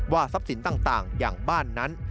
ทรัพย์สินต่างอย่างบ้านนั้น